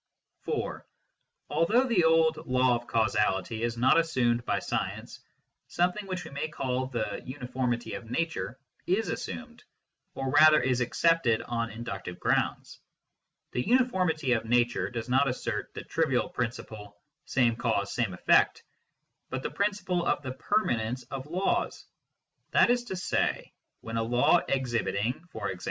(4) Although the old " law of causality " is not assumed by science, something which we may call the " uniformity of nature " is assumed, or rather is accepted on inductive grounds. The uniformity of nature does not assert the trivial principle " same cause, same effect," but the principle of the permanence of laws. That is to say, when a law exhibiting, e.g.